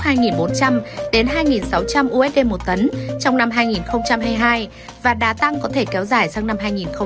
hai bốn trăm linh hai sáu trăm linh usd một tấn trong năm hai nghìn hai mươi hai và đa tăng có thể kéo dài sang năm hai nghìn hai mươi ba